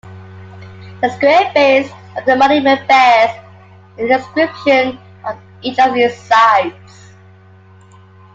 The square base of the monument bares an inscrpition on each of its sides.